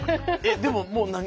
でももう何？